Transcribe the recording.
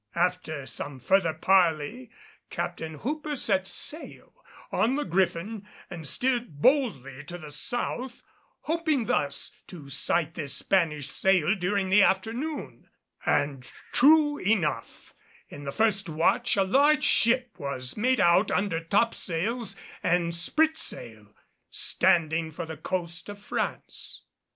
After some further parley Captain Hooper set sail on the Griffin and steered boldly to the south, hoping thus to sight this Spanish sail during the afternoon; and true enough, in the first watch a large ship was made out under topsails and spritsail, standing for the coast of France.